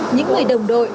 những người đồng đội